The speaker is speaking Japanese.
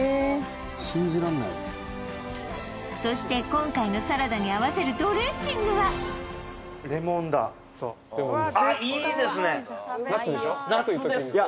そして今回のサラダに合わせるドレッシングはあっいいですね夏ですね